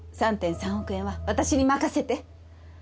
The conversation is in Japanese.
３．３億円は私に任せて。